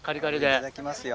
いただきますよ。